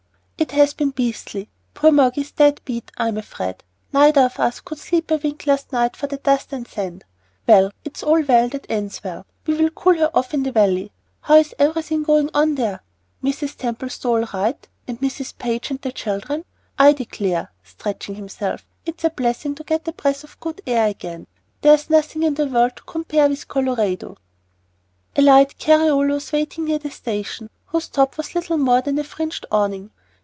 "It has been beastly. Poor Moggy's dead beat, I'm afraid. Neither of us could sleep a wink last night for the dust and sand. Well, it's all well that ends well. We'll cool her off in the valley. How is everything going on there? Mrs. Templestowe all right, and Mrs. Page, and the children? I declare," stretching himself, "it's a blessing to get a breath of good air again. There's nothing in the world that can compare with Colorado." A light carryall was waiting near the station, whose top was little more than a fringed awning.